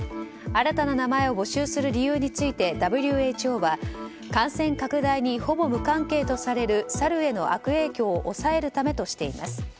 新たな名前を募集する理由についてＷＨＯは感染拡大にほぼ無関係とされるサルへの悪影響を抑えるためとしています。